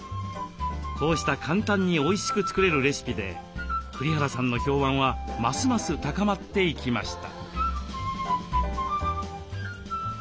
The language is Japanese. こうした簡単においしく作れるレシピで栗原さんの評判はますます高まっていきました。